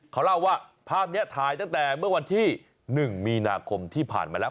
เขาเล่าว่าภาพนี้ถ่ายตั้งแต่เมื่อวันที่๑มีนาคมที่ผ่านมาแล้ว